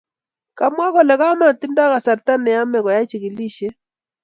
kamwa kole kamkotindai kasarta ne ame koai chikilishiet